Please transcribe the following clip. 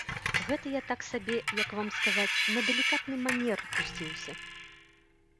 Гэта я так сабе, як вам сказаць, на далікатны манер пусціўся.